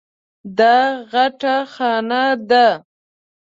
دا غټه خانه ده.